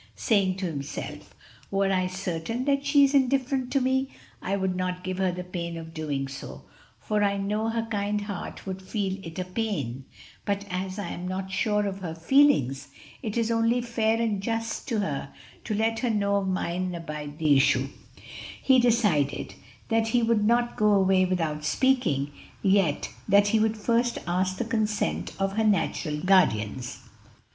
Saying to himself, "Were I certain that she is indifferent to me, I would not give her the pain of doing so for I know her kind heart would feel it a pain but as I am not sure of her feelings, it is only fair and just to her to let her know of mine and abide the issue," he decided that he would not go away without speaking, yet that he would first ask the consent of her natural guardians.